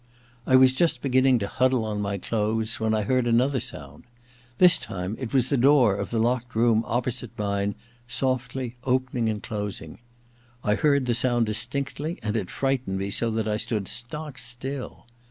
I was just beginning to huddle on my clothes when I heard another sound. This time it was the door of the locked room opposite mine softly opening and closing. I heard the sound distinctly, and it frightened me so that I stood stock still.